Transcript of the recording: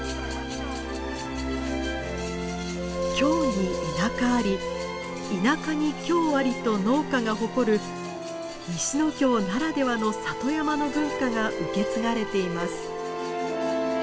「京に田舎あり田舎に京あり」と農家が誇る西ノ京ならではの里山の文化が受け継がれています。